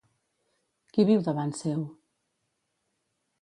Qui viu davant seu?